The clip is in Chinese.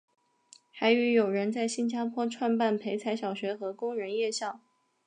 还与友人在新加坡创办培才小学和工人夜校。